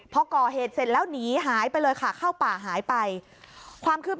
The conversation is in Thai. พอก่อเหตุเสร็จแล้วหนีหายไปเลยค่ะเข้าป่าหายไปความคืบหน้า